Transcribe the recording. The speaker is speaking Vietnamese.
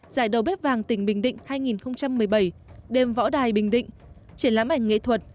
giải đầu bếp vàng tỉnh bình định hai nghìn một mươi bảy đêm võ đài bình định triển lãm ảnh nghệ thuật